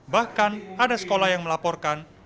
bahkan ada sekolah yang melaporkan